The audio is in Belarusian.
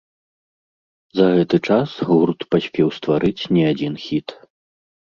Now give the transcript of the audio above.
За гэты час гурт паспеў стварыць не адзін хіт.